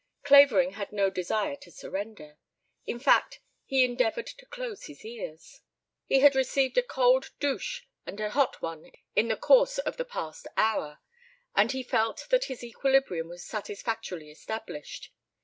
Clavering had no desire to surrender. In fact he endeavored to close his ears. He had received a cold douche and a hot one in the course of the past hour, and he felt that his equilibrium was satisfactorily established.